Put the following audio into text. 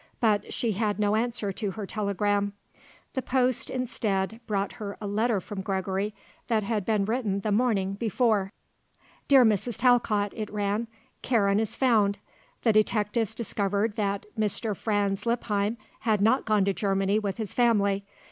But she had no answer to her telegram. The post, instead, brought her a letter from Gregory that had been written the morning before. "Dear Mrs. Talcott," it ran. "Karen is found. The detectives discovered that Mr. Franz Lippheim had not gone to Germany with his family.